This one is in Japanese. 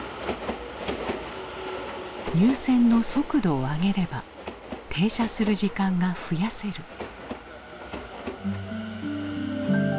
入線の速度を上げれば停車する時間が増やせる。